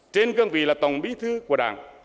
trên cương vị là tổng bí thư của đảng